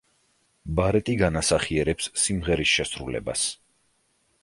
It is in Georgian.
ბარეტი განასახიერებს სიმღერის შესრულებას.